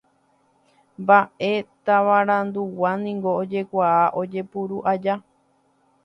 Mbaʼe tavarandugua niko ojekuaa ojepuru aja.